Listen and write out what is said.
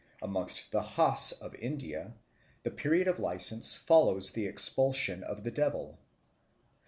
Amongst the Hos of India the period of license follows the expulsion of the devil.